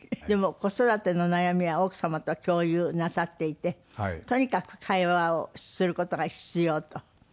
でも子育ての悩みは奥様と共有なさっていてとにかく会話をする事が必要と。